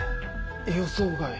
予想外。